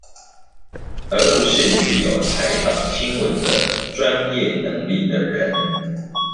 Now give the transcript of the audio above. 而不是具有採訪新聞的專業能力的人